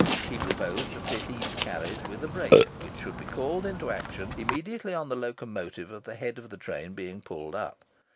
He proposed to fit each carriage with a brake which should be called into action immediately on the locomotive at the head of the train being pulled up.